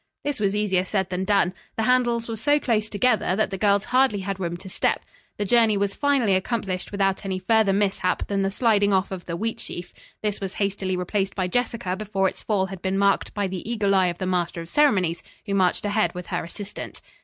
This was easier said than done. The handles were so close together that the girls hardly had room to step. The journey was finally accomplished without any further mishap than the sliding off of the wheat sheaf. This was hastily replaced by Jessica before its fall had been marked by the eagle eye of the master of ceremonies, who marched ahead with her assistant.